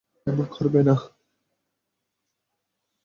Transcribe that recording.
এমন করবে না।